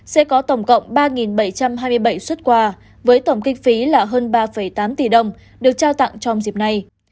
sẽ có tổng cộng ba bảy trăm hai mươi bảy xuất quà với tổng kinh phí là hơn ba tám tỷ đồng được trao tặng trong dịp này